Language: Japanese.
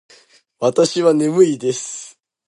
わたしはねむいです。